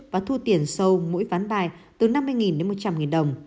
và thu tiền sâu mỗi ván bài từ năm mươi đến một trăm linh đồng